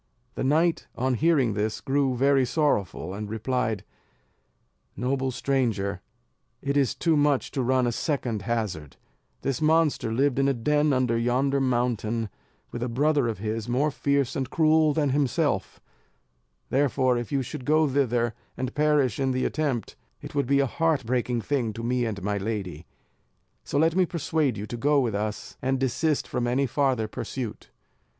The knight on hearing this grew very sorrowful, and replied, "Noble stranger, it is too much to run a second hazard; this monster lived in a den under yonder mountain, with a brother of his, more fierce and cruel than himself; therefore, if you should go thither, and perish in the attempt, it would be a heart breaking thing to me and my lady; so let me persuade you to go with us, and desist from any farther pursuit."